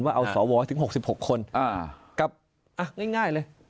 ว่าเอาสวถึง๖๖คนกับง่ายเลย